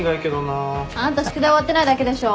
あんた宿題終わってないだけでしょ。